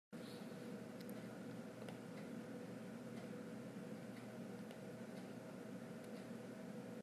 A ha a um ti lo caah rawl kha a mawnh in a mawnh.